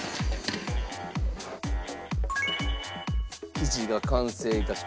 生地が完成いたしました。